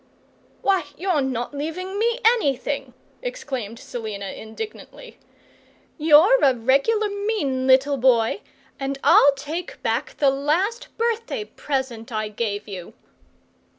"Why, you're not leaving me anything!" exclaimed Selina, indignantly. "You're a regular mean little boy, and I'll take back the last birthday present I gave you!"